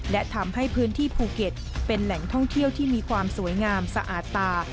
และทำให้พื้นที่ภูเก็ตเป็นแหล่งท่องเที่ยวที่มีความสวยงามสะอาดตา